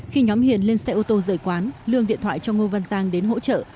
khi nhóm hiền lên xe ô tô rời quán lương điện thoại cho ngô văn giang đến hỗ trợ